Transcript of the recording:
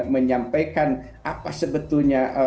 menyampaikan apa sebetulnya